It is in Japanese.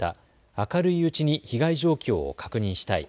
明るいうちに被害状況を確認したい。